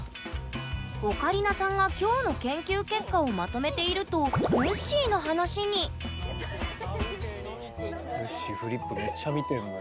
オカリナさんが今日の研究結果をまとめているとぬっしーフリップめっちゃ見てるもん。